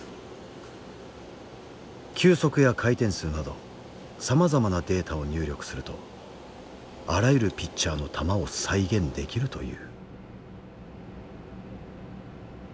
球速や回転数などさまざまなデータを入力するとあらゆるピッチャーの球を再現できるという。